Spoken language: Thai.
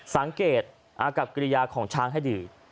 สังเกตอากับกิริยาของช้างให้ดี